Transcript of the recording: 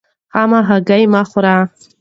خامه هګۍ مه خورئ.